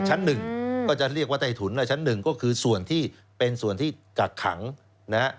ชั้นหนึ่งก็จะเรียกว่าใต้ถุนชั้นหนึ่งก็คือส่วนที่เป็นส่วนที่กักขังนะฮะ